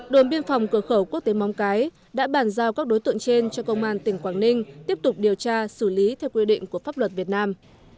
đồn biên phòng cửa khẩu quốc tế móng cái đã bàn giao các đối tượng trên cho công an tỉnh quảng ninh tiếp tục điều tra xử lý theo quy định của pháp luật việt nam